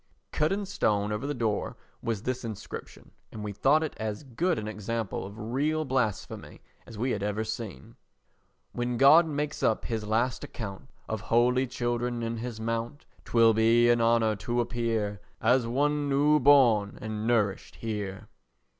Cut in stone over the door was this inscription, and we thought it as good an example of real blasphemy as we had ever seen: When God makes up his last account Of holy children in his mount, 'Twill be an honour to appear As one new born and nourished here.